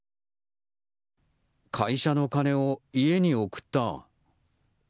会社の金を家に送った。